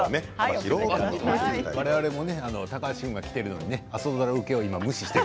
我々も高橋君が来ているのに朝ドラ受けを無視して。